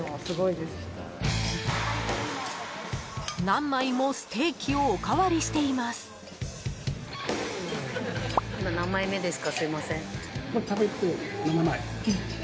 何枚もステーキをおかわりしています。